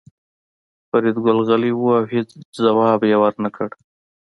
فریدګل غلی و او هېڅ ځواب یې ورنکړ